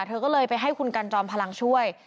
เธอก็เลยไปให้คุณกันจอมพลังช่วย